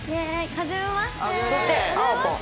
はじめまして。